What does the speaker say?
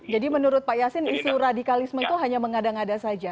jadi menurut pak yasin isu radikalisme itu hanya mengada ngada saja